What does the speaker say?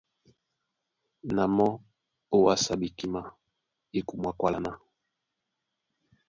Na mɔ́ ówásá ɓekímá é kumwá kwála ná: